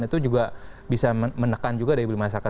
itu juga bisa menekan juga daya beli masyarakat